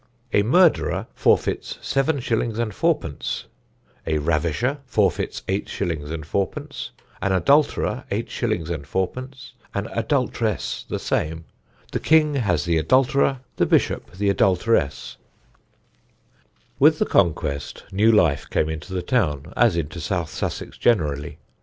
"A murderer forfeits seven shillings and fourpence; a ravisher forfeits eight shillings and fourpence; an adulterer eight shillings and fourpence; an adultress the same. The king has the adulterer, the bishop the adulteress." [Sidenote: THE PROVIDENT DE WARENNES] With the Conquest new life came into the town, as into South Sussex generally.